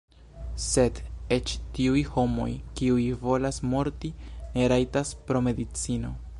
Sed eĉ tiuj homoj, kiuj volas morti, ne rajtas, pro medicino.